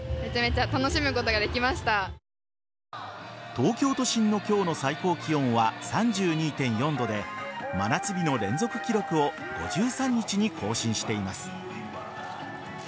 東京都心の今日の最高気温は３２．４度で真夏日の連続記録を５３日に更新しています。